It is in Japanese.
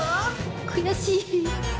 悔しい。